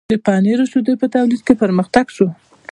د پنیر او شیدو په تولید کې پرمختګ شو.